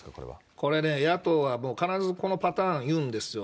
これね、野党はもう、必ずこのパターン言うんですよ。